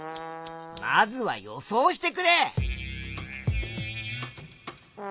まずは予想してくれ。